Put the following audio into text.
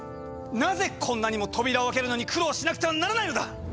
なぜこんなにも扉を開けるのに苦労しなくてはならないのだ！